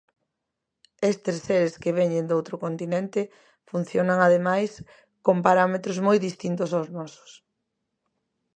Estes seres que veñen doutro continente funcionan ademais con parámetros moi distintos aos nosos.